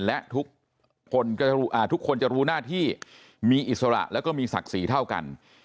และทุกคนจะรู้หน้าที่มีอิสระแล้วก็มีศักดิ์ศรีเท่ากัน